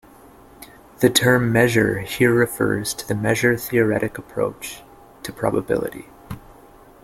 The term "measure" here refers to the measure-theoretic approach to probability.